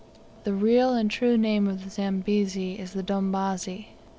The real and true name of the Zambezi is Dombazi.